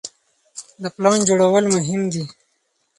د پلان جوړول مهم دي.